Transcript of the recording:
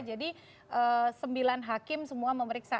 jadi sembilan hakim semua memeriksa